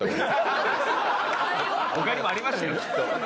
他にもありましたよきっと。